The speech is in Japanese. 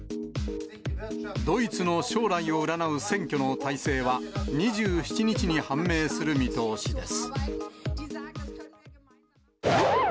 ドイツの将来を占う選挙の大勢は、２７日に判明する見通しです。